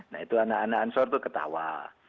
nah itu anak anak ansur itu ketawa